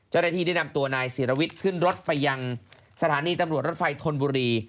เจ้าหน้าที่ได้นำตัวนายศิรวิทย์ขึ้นรถไปยังสถานีตำรวจรถไฟธนบุรี